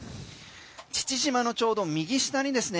父島のちょうど右下にですね